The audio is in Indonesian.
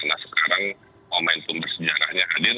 nah sekarang momentum bersejarahnya hadir